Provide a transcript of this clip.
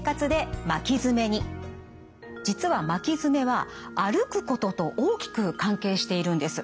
実は巻き爪は歩くことと大きく関係しているんです。